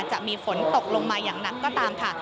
จะมีฝนตกลงมาอย่างหนักก็ตามค่ะ